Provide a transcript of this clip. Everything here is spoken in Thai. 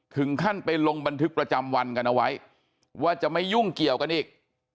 ถึงขั้นไปลงบันทึกประจำวันกันเอาไว้ว่าจะไม่ยุ่งเกี่ยวกันอีก